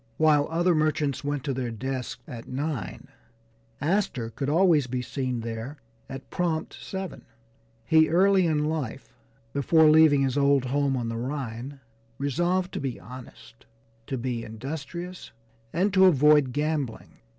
While other merchants went to their desks at nine, Astor could always be seen there at prompt seven. He early in life, before leaving his old home on the Rhine, resolved to be honest, to be industrious, and to avoid gambling.